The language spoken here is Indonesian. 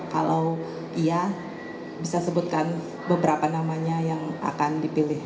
kalau iya bisa sebutkan beberapa namanya yang akan dipilih